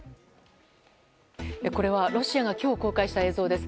これは、ロシアが今日公開した映像です。